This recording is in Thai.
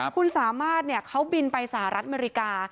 คุณสามารถเขาบินไปสหรัฐอเมริกา